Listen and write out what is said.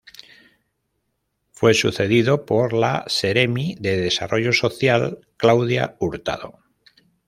Fue sucedido por la seremi de Desarrollo Social, Claudia Hurtado.